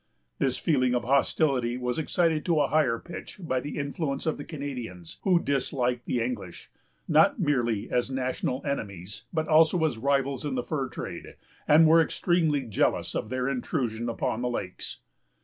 This feeling of hostility was excited to a higher pitch by the influence of the Canadians, who disliked the English, not merely as national enemies, but also as rivals in the fur trade, and were extremely jealous of their intrusion upon the lakes.